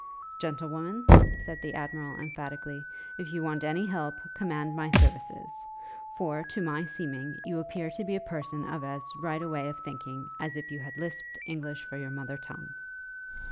'Gentlewoman,' said the Admiral, emphatically, 'if you want any help, command my services; for, to my seeming, you appear to be a person of as right a way of thinking, as if you had lisped English for your mother tongue.'